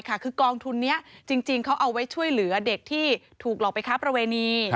คือกองทุนนี้จริงเขาเอาไว้ช่วยเหลือเด็กที่ถูกหลอกไปค้าประเวณี